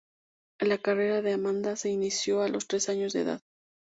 La carrera de Amanda se inició a los tres años de edad.